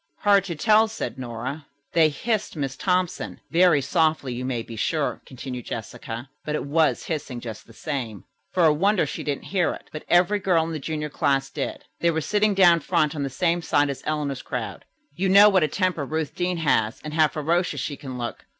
"Hard to tell," said Nora. "They hissed Miss Thompson. Very softly, you may be sure," continued Jessica, "but it was hissing, just the same. For a wonder, she didn't hear it, but every girl in the junior class did. They were sitting down front on the same side as Eleanor's crowd. You know what a temper Ruth Deane has and how ferocious she can look?